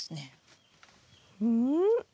うん？